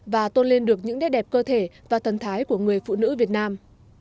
và tôn lên được những đẹp đẹp cơ thể và thần thái của người phụ nữ việt nam